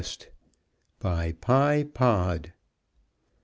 BY PYE POD.